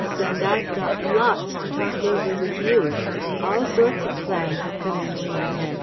And I've got lots to talk over with you. All sorts of plans have come into my head.